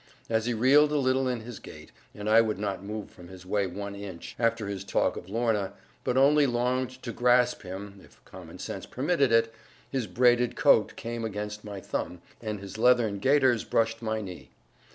As he reeled a little in his gait, and I would not move from his way one inch, after his talk of Lorna, but only longed to grasp him (if common sense permitted it), his braided coat came against my thumb, and his leathern gaiters brushed my knee.